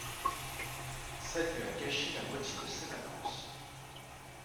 ça lui a gâché la moitié de ses vacances.